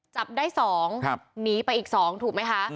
จับได้๒หนีไปอีก๒ถูกไหมคะ